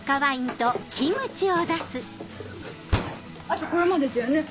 あとこれもですよね。